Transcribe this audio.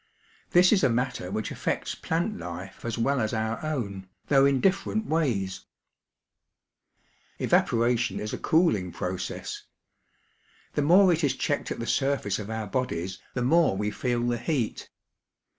This is a matter which affects plant life as well as our own, though in dif ferent ways. ii6 NOT ALTOGETHER ABOUT PLANTS Evaporation Is a cooling process. The more it is checked at the surface of our bodies, the more we feel the heat.